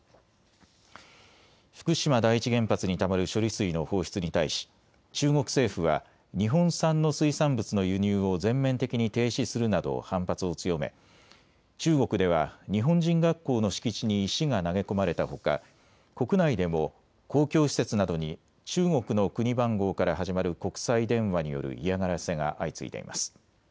福島第一原発にたまる処理水の放出に対し中国政府は日本産の水産物の輸入を全面的に停止するなど反発を強め中国では日本人学校の敷地に石が投げ込まれたほか国内でも公共施設などに中国の国番号から始まる国際電話による嫌がらせが相次いでいます。